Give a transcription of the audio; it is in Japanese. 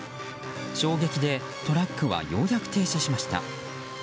衝撃でトラックはようやく停車しました。